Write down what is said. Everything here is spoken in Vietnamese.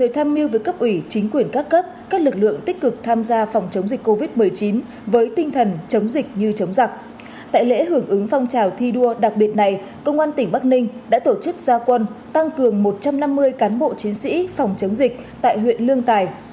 tại lễ hưởng ứng phong trào thi đua đặc biệt này công an tỉnh bắc ninh đã tổ chức gia quân tăng cường một trăm năm mươi cán bộ chiến sĩ phòng chống dịch tại huyện lương tài